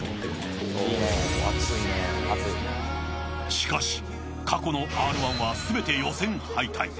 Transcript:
しかし過去のＲ−１はすべて予選敗退。